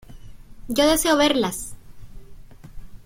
¡ yo deseo verlas!